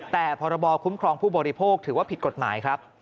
แต่พรบคุ้มครองผู้บริโภคถือว่าผิดกฎหมายครับ